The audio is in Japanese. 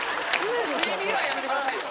「地味」はやめてくださいよ。